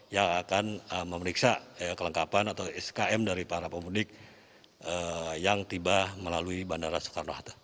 yang akan memeriksa kelengkapan atau skm dari para pemudik yang tiba melalui bandara soekarno hatta